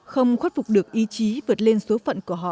không khuất phục được ý chí vượt lên số phận của họ